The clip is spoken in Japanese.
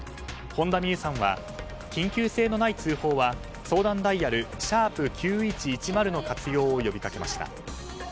本田望結さんは緊急性のない通報は相談ダイヤル「＃９１１０」の活用を呼びかけました。